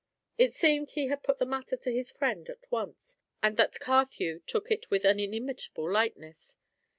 It seemed he had put the matter to his friend at once, and that Carthew took it with an inimitable lightness.